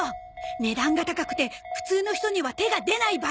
値段が高くて普通の人には手が出ないバッグだ。